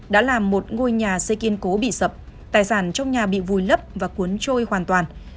đã làm một ngôi nhà xây kiên cố bị sập tài sản trong nhà bị vùi lấp và cuốn trôi hoàn toàn